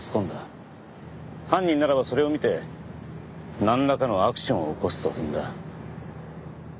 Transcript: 犯人ならばそれを見てなんらかのアクションを起こすと踏んだ。